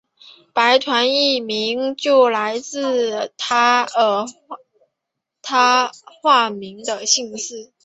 白团一名就来自他化名的姓氏。